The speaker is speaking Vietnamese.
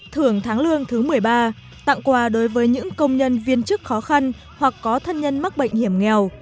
thưởng tháng lương thứ một mươi ba tặng quà đối với những công nhân viên chức khó khăn hoặc có thân nhân mắc bệnh hiểm nghèo